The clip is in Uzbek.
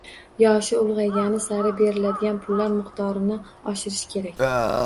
Yoshi ulg‘aygani sari beriladigan pullar miqdorini oshirish kerak.